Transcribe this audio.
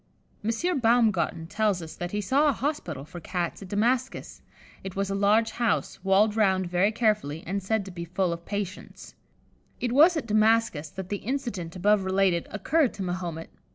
M. Baumgarten tells us that he saw a hospital for Cats at Damascus: it was a large house, walled round very carefully, and said to be full of patients. It was at Damascus that the incident above related occurred to Mahomet.